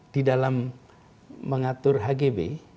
di dalam mengatur hgb